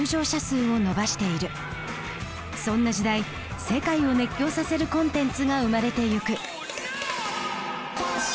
そんな時代世界を熱狂させるコンテンツが生まれてゆく。